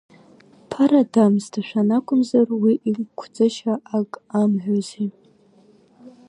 Ԥара даамсҭашәан акәымзар, уи иқәҵышьа ак амҳәози.